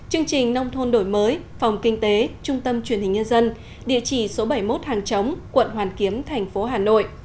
chương trình nông thuần đổi mới phòng kinh tế trung tâm truyền hình nhân dân địa chỉ số bảy mươi một hàng chống quận hoàn kiếm tp hà nội